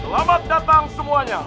selamat datang semuanya